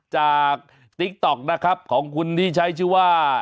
ติ๊กต๊อกนะครับของคุณที่ใช้ชื่อว่า